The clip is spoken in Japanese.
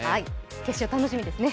決勝、楽しみですね。